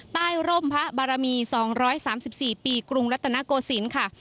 ร่มพระบารมี๒๓๔ปีกรุงรัตนโกศิลป์ค่ะ